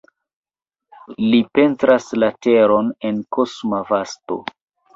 Li pentras la teron en kosma vasto.